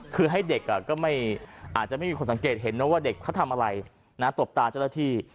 คือให้เด็กก็อาจจะไม่มีคนสังเกตเห็นนะว่าเด็กเขาทำอะไรนะตบตาเจ้าหน้าที่